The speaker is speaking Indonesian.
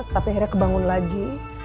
tapi akhirnya kebangun lagi